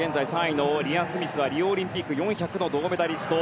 リア・スミスはリオオリンピック４００の銅メダリスト。